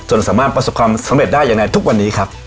สามารถประสบความสำเร็จได้อย่างในทุกวันนี้ครับ